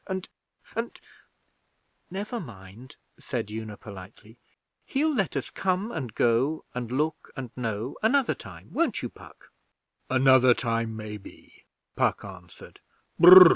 And and ' 'Never mind,' said Una politely. 'He'll let us come and go and look and know another time. Won't you, Puck?' 'Another time maybe,' Puck answered.